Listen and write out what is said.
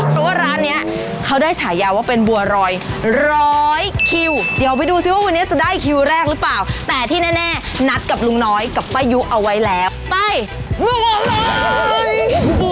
เพราะว่าร้านเนี้ยเขาได้ฉายาว่าเป็นบัวรอยร้อยคิวเดี๋ยวไปดูซิว่าวันนี้จะได้คิวแรกหรือเปล่าแต่ที่แน่นัดกับลุงน้อยกับป้ายุเอาไว้แล้วไปงวงเลย